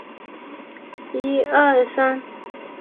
东西梳妆楼均为两层三檐歇山顶。